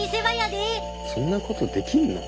そんなことできんの？